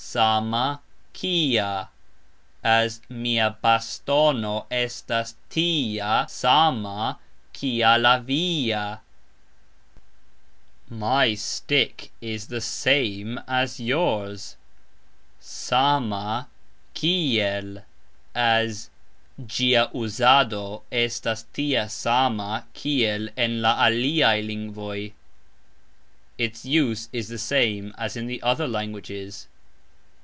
"sama ... kia", as Mia bastono estas "tia sama, kia" la via, My stick is "the same as" yours. "sama ... kiel", as Gxia uzado estas "tia sama, kiel" en la aliaj lingvoj, Its use is "the same as" in the other languages.